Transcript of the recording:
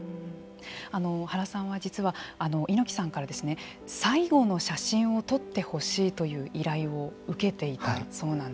あの原さんは実は猪木さんから最後の写真を撮ってほしいという依頼を受けていたそうなんですね。